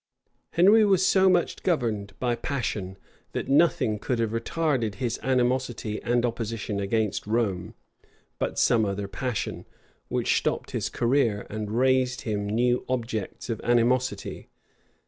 Henry was so much governed by passion, that nothing could have retarded his animosity and opposition against Rome, but some other passion, which stopped his career, and raised him new objects of animosity.